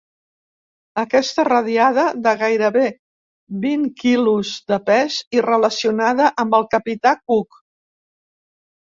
Aquesta radiada, de gairebé vint quilos de pes i relacionada amb el capità Cook.